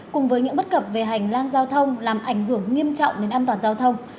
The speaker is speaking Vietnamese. cùng với những bất cập về hành lang giao thông làm ảnh hưởng nghiêm trọng đến an toàn giao thông